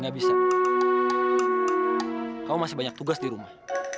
gak bisa kau masih banyak tugas di rumah